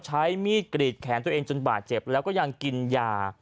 ใช้มีดกรีดแขนตัวเองจนบาดเจ็บแล้วก็ยังกินยา